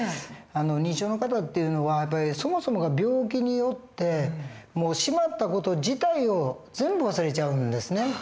認知症の方っていうのはそもそもが病気によってしまった事自体を全部忘れちゃうんですね。